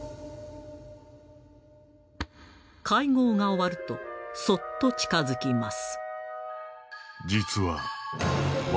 会合が終わるとそっと近づきます。